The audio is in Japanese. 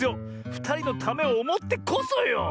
ふたりのためをおもってこそよ！